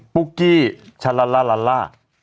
ปุ้กกี้ชาลาลาลาลา